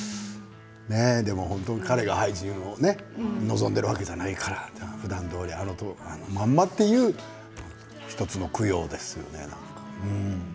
でも彼が廃人を望んでいるわけじゃないからふだんどおり、あのままというね１つの供養ですよね。